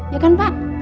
ya kan pak